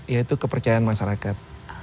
yaitu kepercayaan masyarakat